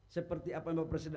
seperti apa yang pak presiden